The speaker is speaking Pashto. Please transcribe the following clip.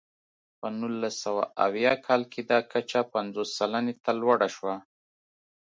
په نولس سوه اویا کال کې دا کچه پنځوس سلنې ته لوړه شوه.